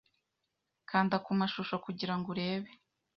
Kanda kumashusho kugirango urebe